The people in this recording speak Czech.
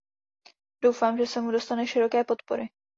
Doufám, že se mu dostane široké podpory.